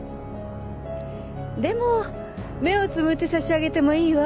でも目をつぶって差し上げてもいいわ。